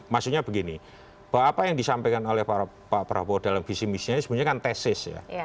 maksudnya begini bahwa apa yang disampaikan oleh pak prabowo dalam visi misinya ini sebenarnya kan tesis ya